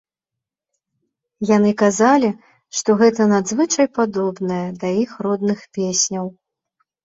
Яны казалі, што гэта надзвычай падобнае да іх родных песняў.